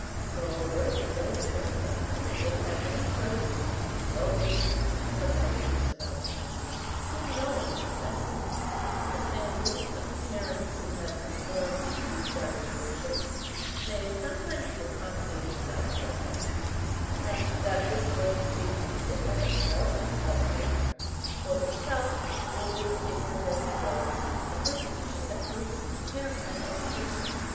Moreover, Agellius learned from him that they had many partisans, well wishers, and sympathizers, about the country, whom no one suspected; the families of parents who had conformed to the established worship, nay, sometimes the apostates themselves, and that this was the case in Sicca as well as elsewhere. For himself, old and ignorant as he was, the persecution had proved to him an education.